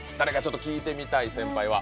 聞いてみたい先輩は。